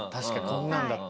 こんなんだった。